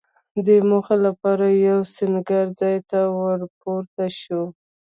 دې موخې لپاره یوه سینګار ځای ته ورپورته شوه.